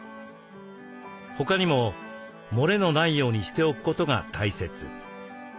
他にも漏れのないようにしておくことが大切。